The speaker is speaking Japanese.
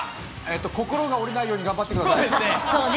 心が折れないように頑張ってください。